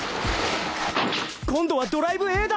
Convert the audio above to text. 今度はドライブＡだ！